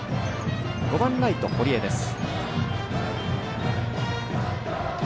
５番ライト堀江です。